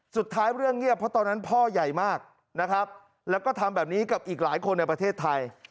เรื่องเงียบเพราะตอนนั้นพ่อใหญ่มากนะครับแล้วก็ทำแบบนี้กับอีกหลายคนในประเทศไทย